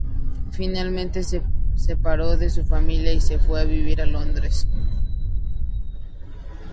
Finalmente se separó de su familia y se fue a vivir a Londres.